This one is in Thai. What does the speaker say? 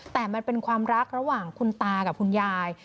แต่มันเป็นความรักระหว่างคุณตากับคุณยาย